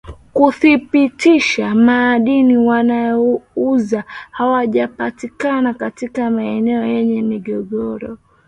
kuthibitisha madini wanayouza hajapatikana katika maeneo yenye migogoro